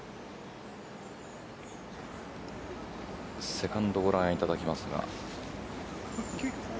セカンドをご覧いただきますが。